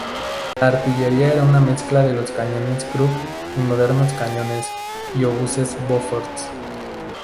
La artillería era una mezcla de cañones Krupp y modernos cañones y obuses Bofors.